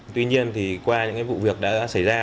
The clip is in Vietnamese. tuy nhiên qua những vụ việc đã xảy ra